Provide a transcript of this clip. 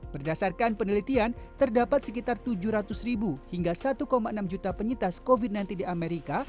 berdasarkan penelitian terdapat sekitar tujuh ratus ribu hingga satu enam juta penyintas covid sembilan belas di amerika